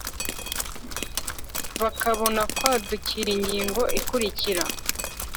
bakabona kwadukira ingingo ikurikira,